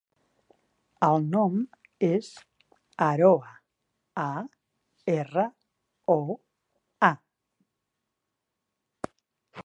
El nom és Aroa: a, erra, o, a.